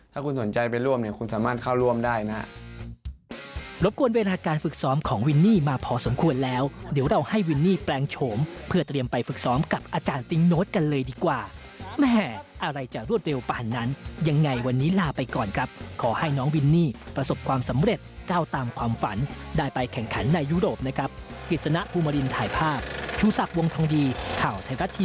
ถ้าคุณสนใจไปร่วมเนี่ยคุณสามารถเข้าร่วมได้นะครับ